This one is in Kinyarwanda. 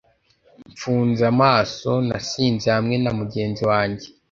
mfunze amaso, nasinze hamwe na mugenzi wanjye